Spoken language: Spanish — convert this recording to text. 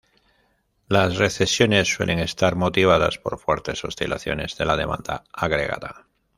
Las recesiones suelen estar motivadas por fuertes oscilaciones de la demanda agregada.